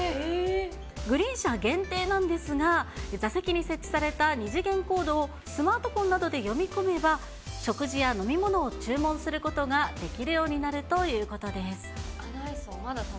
グリーン車限定なんですが、座席に設置された２次元コードをスマートフォンなどで読み込めば、食事や飲み物を注文することができるようになるということです。